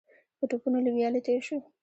په ټوپونو له ويالې تېر شو.